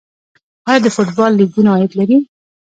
آیا د فوټبال لیګونه عاید لري؟